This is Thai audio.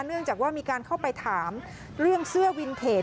เนื่องจากว่ามีการเข้าไปถามเรื่องเสื้อวินเทจ